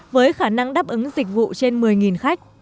với khả năng đáp ứng dịch vụ trên một mươi khách